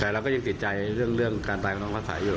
แต่เราก็ยังติดใจเรื่องการตายของน้องกระสายอยู่